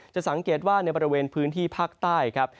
จะสังเกตว่าในบริเวณพื้นที่ภาคใต้ครับ